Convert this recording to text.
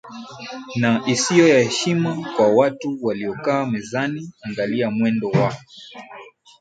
na isiyo ya heshima kwa watu waliokaa mezani Angalia mwendo wa